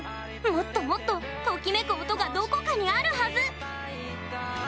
もっともっと、ときめく音がどこかにあるはず！